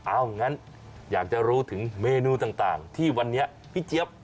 เอางั้นอยากจะรู้ถึงเมนูต่างที่วันนี้พี่เจี๊ยบ